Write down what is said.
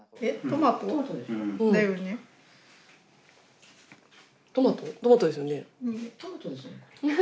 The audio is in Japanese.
トマトですよね？